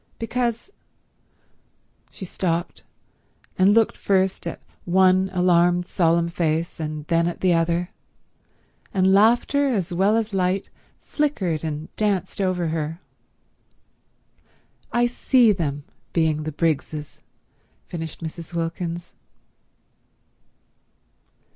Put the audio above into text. Because—" She stopped, and looked first at one alarmed solemn face and then at the other, and laughter as well as light flickered and danced over her. "I see them being the Briggses," finished Mrs. Wilkins.